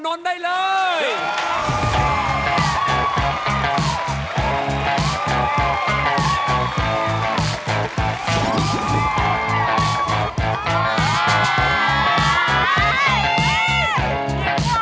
อีกวาดนี้อยู่